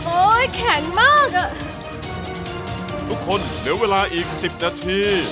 โอ้ยแข็งมากอ่ะทุกคนเดี๋ยวเวลาอีกสิบนาที